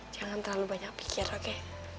jangan terlalu banyak pikir oke